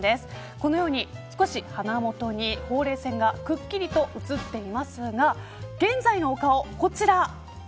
このように鼻元に、ほうれい線がくっきりと写っていますが現在のお顔がこちら。